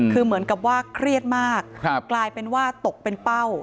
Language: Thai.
คือเหมือนกับว่าเครียดมากกลายเป็นว่าตกเป็นเป้า